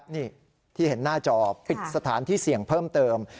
นี่ที่เห็นหน้าจอปิดสถานที่เสี่ยงเพิ่มเติม